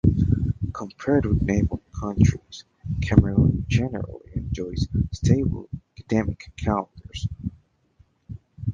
Compared with neighbouring countries, Cameroon generally enjoys stable academic calendars.